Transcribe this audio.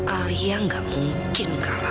alia gak mungkin kalah